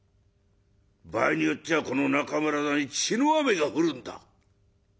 場合によっちゃこの中村座に血の雨が降るんだ。